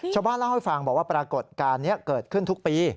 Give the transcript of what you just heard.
ชาวบ้านเล่าให้ฟังบอกว่าปรากฏการณ์นี้เกิดขึ้นทุกปี